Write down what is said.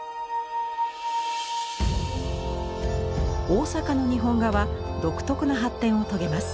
大阪の日本画は独特の発展を遂げます。